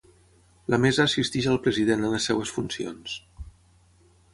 La Mesa assisteix al President en les seves funcions.